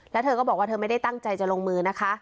แล้วเธอก็บอกว่าเธอไม่ได้ตั้งใจจะลงมือนะคะ